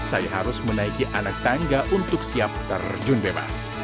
saya harus menaiki anak tangga untuk siap terjun bebas